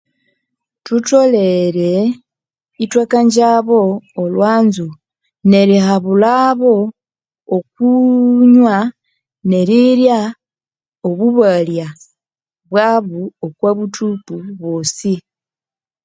Thutolere ithakanjabo olwanzo nerihabulhabo okwenya nerirya obubalya okwabutuku obosi